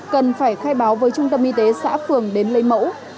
cần phải khai báo với trung tâm y tế xã phường đến lấy mẫu